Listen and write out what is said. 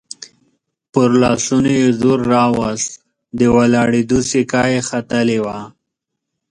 پر لاسونو يې زور راووست، د ولاړېدو سېکه يې ختلې وه.